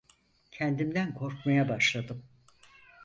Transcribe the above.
Kendimden korkmaya başladım.